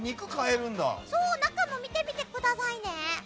中も見てみてくださいね。